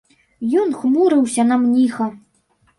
Ён хмурыўся на мніха.